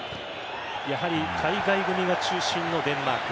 やはり海外組が中心のデンマーク。